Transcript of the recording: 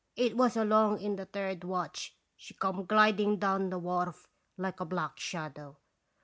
It was along in the third watch she come gliding down the wharf like a black shadow.